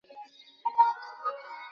তারা মৃত্যুর খেলা খেলছে।